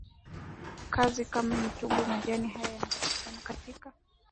kazi kama mtubwi Majani haya yanayopatikana katika